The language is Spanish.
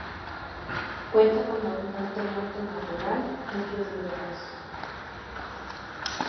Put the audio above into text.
Cuenta con abundante monte natural en sus riberas.